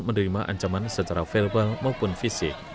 menerima ancaman secara verbal maupun fisik